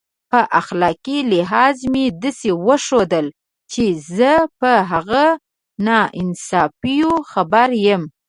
په اخلاقي لحاظ مې داسې وښودل چې زه په هغه ناانصافیو خبر یم.